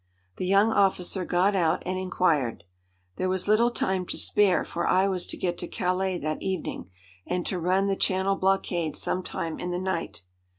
The young officer got out and inquired. There was little time to spare, for I was to get to Calais that evening, and to run the Channel blockade some time in the night.